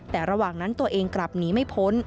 แต่ระหว่างนั้นตัวเองกลับหนีไม่พ้น